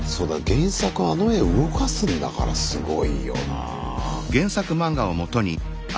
原作あの絵を動かすんだからすごいよな。